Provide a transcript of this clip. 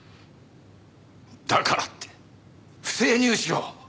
だからって不正入試を？